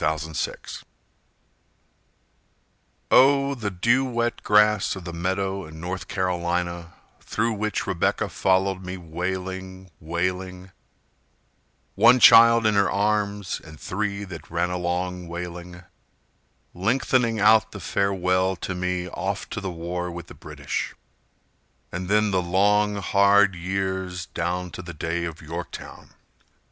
John Wasson Oh! the dew wet grass of the meadow in North Carolina Through which Rebecca followed me wailing, wailing, One child in her arms, and three that ran along wailing, Lengthening out the farewell to me off to the war with the British, And then the long, hard years down to the day of Yorktown.